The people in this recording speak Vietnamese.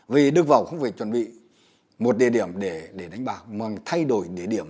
vì đương vào không phải chuẩn bị một địa điểm để đánh bạc mà thay đổi địa điểm